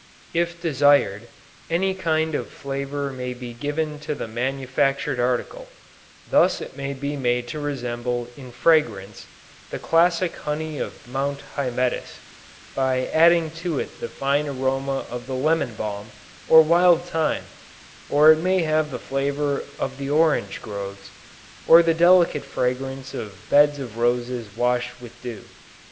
If desired, any kind of flavor may be given to the manufactured article; thus it may be made to resemble in fragrance, the classic honey of Mount Hymettus, by adding to it the fine aroma of the lemon balm, or wild thyme; or it may have the flavor of the orange groves, or the delicate fragrance of beds of roses washed with dew.